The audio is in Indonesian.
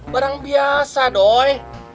barang biasa doy